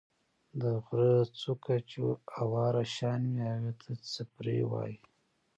د غرۀ څُوكه چې اواره شان وي هغې ته څپرے وائي۔